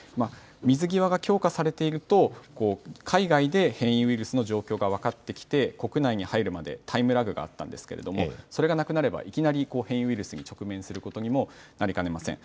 水際が強化されていると海外で変異ウイルスの状況が分かってきて国内に入るまでタイムラグがあったんですけれどもそれがなくなればいきなり変異ウイルスに直面することにもなりかねません。